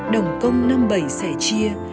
đồng công năm bảy sẻ chia